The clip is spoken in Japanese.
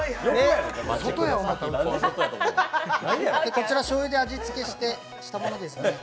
こちらしょうゆで味付けしたものですね。